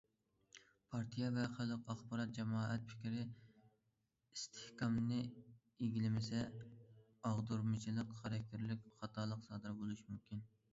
پارتىيە ۋە خەلق ئاخبارات جامائەت پىكرى ئىستىھكامىنى ئىگىلىمىسە، ئاغدۇرمىچىلىق خاراكتېرلىك خاتالىق سادىر بولۇشى مۇمكىن.